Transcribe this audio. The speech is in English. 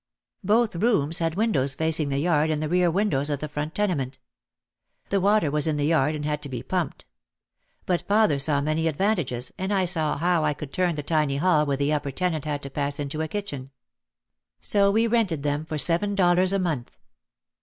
Both rooms had windows facing the yard and the rear win dows of the front tenement. The water was in the yard and had to be pumped. But father saw many advantages and I too saw how I could turn the tiny hall where the upper tenant had to pass into a kitchen. So we rented them for seven dollars a month.